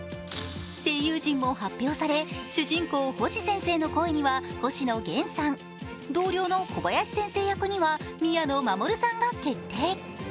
声優陣も発表され、主人公・星先生の声には星野源さん、同僚の小林先生役には宮野真守さんが決定。